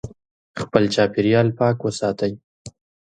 خپل چاپیریال پاک وساتئ.